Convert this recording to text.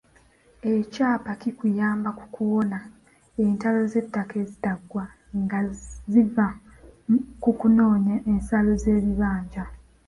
Ekyapa kikuyamba ku kuwona entalo z'ettaka ezitaggwa nga ziva ku kunoonya ensalo z'ebibanja.